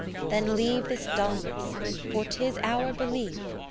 Then leave this dullness ; for 'tis our belief.